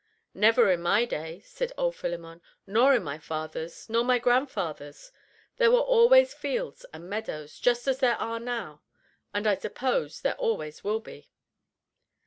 "Never in my day," said old Philemon, "nor in my father's, nor my grandfather's: there were always fields and meadows just as there are now, and I suppose there always will be."